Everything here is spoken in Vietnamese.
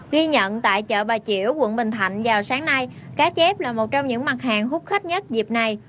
ghi nhận tại chợ bà chiểu quận bình thạnh vào sáng nay cá chép là một trong những mặt hàng hút khách nhất dịp này